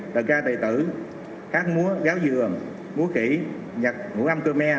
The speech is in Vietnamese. tần ca tài tử hát mua gáo dừa mua khỉ nhặt mua âm cơ me